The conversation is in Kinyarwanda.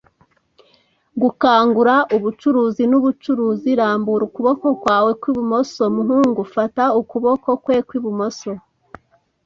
gukangura. Ubucuruzi nubucuruzi. Rambura ukuboko kwawe kw'ibumoso. Muhungu, fata ukuboko kwe kw'ibumoso